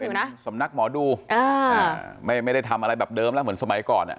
สำนักหมอดูอ่าไม่ได้ทำอะไรแบบเดิมแล้วเหมือนสมัยก่อนอ่ะ